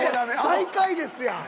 最下位ですやん！